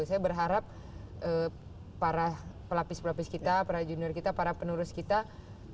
saya berharap para pelapis pelapis kita para junior kita para penerus kita bisa